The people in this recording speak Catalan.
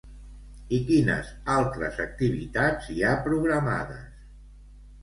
I quines altres activitats hi ha programades?